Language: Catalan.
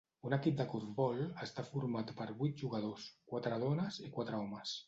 Un equip de corfbol està format per vuit jugadors; quatre dones i quatre homes.